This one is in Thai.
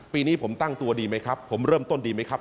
ปีนี้ผมตั้งตัวดีไหมครับผมเริ่มต้นดีไหมครับ